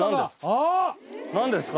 何ですか？